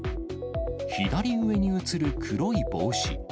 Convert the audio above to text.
左上に映る黒い帽子。